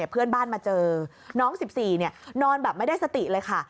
เพื่อนบ้านมาเจอน้อง๑๔นอนแบบไม่ได้สติเลยค่ะ